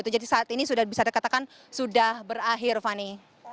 jadi saat ini sudah bisa dikatakan sudah berakhir fani